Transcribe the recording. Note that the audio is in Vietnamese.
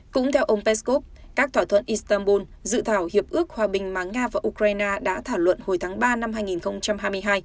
cũng theo ông peskov các thỏa thuận istanbul dự thảo hiệp ước hòa bình mà nga và ukraine đã thảo luận hồi tháng ba năm hai nghìn hai mươi hai